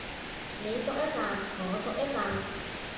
你嗦一啖我嗦一啖